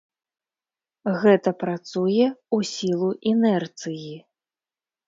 Гэта працуе ў сілу інэрціі.